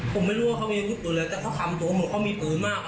ผมไม่รู้ว่ามีบวทปืนอะไรเขาคำตอบว่าเขามีปืนมาก